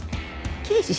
刑事？